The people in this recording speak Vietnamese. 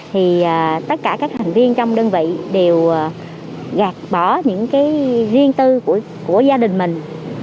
thì tất cả các thành viên trong đơn vị đều gạt bỏ những cái riêng tư của gia đình mình